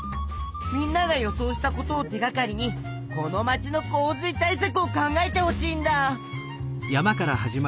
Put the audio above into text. みんなが予想したことを手がかりにこの街の洪水対さくを考えてほしいんだ！